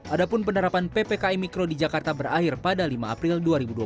adapun penerapan ppkm mikro di jakarta berakhir pada lima april dua ribu dua puluh